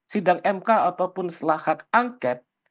sidang mk ataupun setelah hak angket